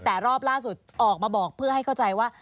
แต่รอบล่าสุดออกมาบอกเพื่อให้เข้าใจว่า